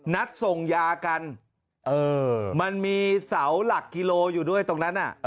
นัดส่งยากันมันมีเสาหลักกิโลอยู่ด้วยตรงนั้น